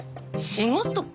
仕事？